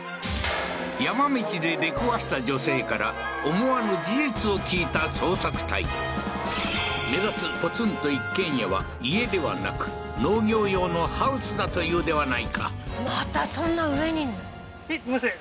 山道で出くわした女性から思わぬ事実を聞いた捜索隊目指すポツンと一軒家は家ではなく農業用のハウスだというではないかまたそんな上にすいません